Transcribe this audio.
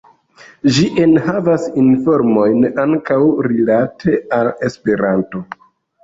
Ĝi enhavas informojn ankaŭ rilate al Esperanto.